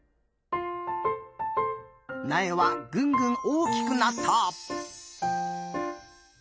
なえはぐんぐん大きくなった。